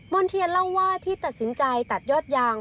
เทียนเล่าว่าที่ตัดสินใจตัดยอดยาง